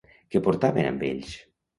Què portaven amb ells?